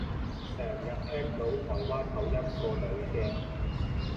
成日聽到台灣口音個女嘅